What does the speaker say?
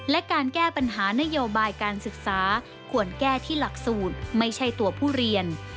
และการแก้ปัญหานโยบายการศึกษาควรแก้ที่หลักสูตรไม่ใช่ตัวผู้เรียน